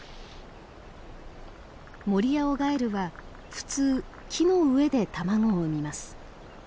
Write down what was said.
モリアオガエルは普通木の上で卵を産みます。